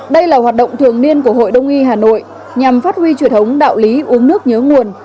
đây là hoạt động thường niên của hội đông y hà nội nhằm phát huy truyền thống đạo lý uống nước nhớ nguồn